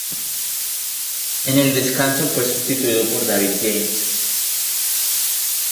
En el descanso fue sustituido por David James.